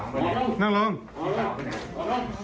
จำเป็นเหลืองกลับพี่สาวจากหลอยไม่เหมือนเดินไปใกล้